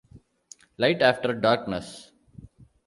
Light after darkness.